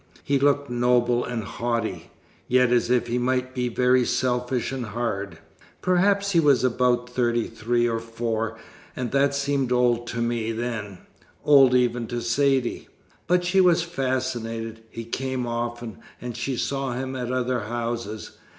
He looked noble and haughty yet as if he might be very selfish and hard. Perhaps he was about thirty three or four, and that seemed old to me then old even to Saidee. But she was fascinated. He came often, and she saw him at other houses.